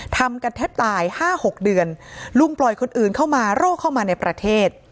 ทำกันแทบตายห้าหกเดือนลุงปล่อยคนอื่นเข้ามาโรคเข้ามาในประเทศ